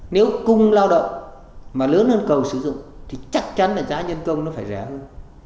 nếu cung lao động mà lớn hơn cầu sử dụng thì chắc chắn là giá nhân công nó phải rẻ hơn